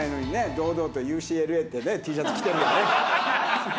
堂々とＵＣＬＡってねＴシャツ着てるよね。